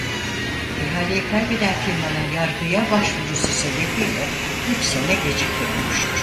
İhaleyi kaybeden firmanın yargıya başvurusu sebebiyle üç sene gecikme olmuştur.